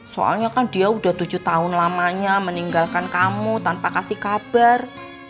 soalnya kan dia udah tujuh tahun lamanya meninggalkan kamu tanpa kasih kabar